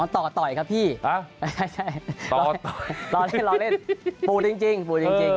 อ๋อต่อต่อยครับพี่ใช่รอเล่นปูจริงปูจริง